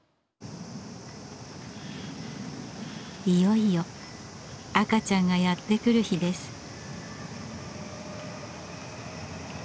いよいよ赤ちゃんがやって来る日です。